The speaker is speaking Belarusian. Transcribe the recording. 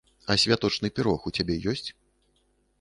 А святочны пірог у цябе ёсць?